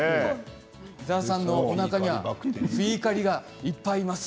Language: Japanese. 伊沢さんのおなかにはフィーカリがいっぱいいます。